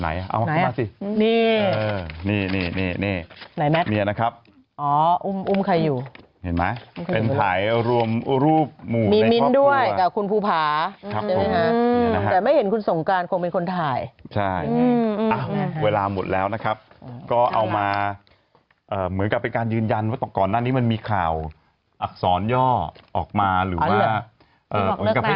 แล้วก็ครอบครองคุณสงการนะครับเอาเป็นคับนี้นะครับ